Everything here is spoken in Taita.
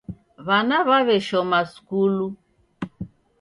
Wana waweshoma skulu